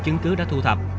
chứng cứ đã thu thập